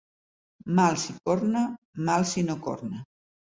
Mal si corna, mal si no corna.